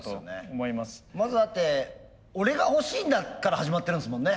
まずだって「俺が欲しいんだ」から始まってるんですもんね。